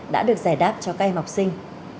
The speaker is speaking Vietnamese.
đã được giải đáp cho các em học sinh